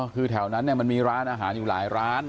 คือแถวนั้นมันมีร้านอาหารอยู่หลายร้าน